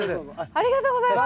ありがとうございます！